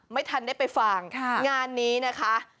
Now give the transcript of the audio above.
ไม่ทันได้ไปฟังงานนี้นะคะ